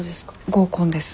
合コンです。